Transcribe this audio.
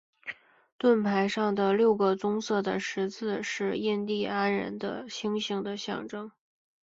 盾牌上的六个棕色的十字是印第安人的星星的象征。